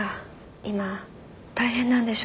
今大変なんでしょ？